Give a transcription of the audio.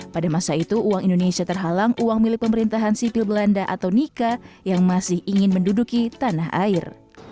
pada masa itu uang indonesia terhalang uang milik pemerintahan sipil belanda atau nika yang masih ingin menduduki tanah air